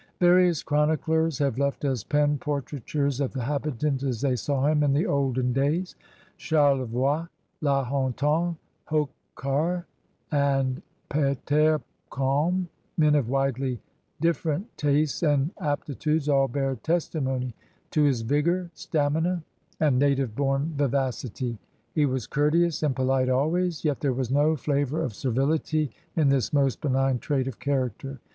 Various chroniclers have left us pen portraitures of the habitant as they saw him in the olden days. Charlevoix, La Hontan, Hocquart, and Peter Kalm, men of widely different tastes and apti tudes, all bear testimony to his vigor, stamina, and native bom vivacity. He was courteous and polite always, yet there was no flavor of servility in this most benign trait of character.